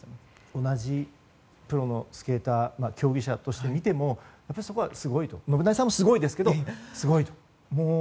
同じプロのスケーター競技者として見ても信成さんもすごいですけどすごいと。